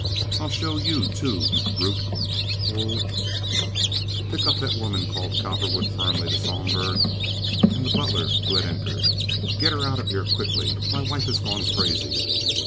I'll show you, too, you brute—oh—" "Pick up that woman," called Cowperwood, firmly, to Sohlberg and the butler, who had entered. "Get her out of here quick! My wife has gone crazy.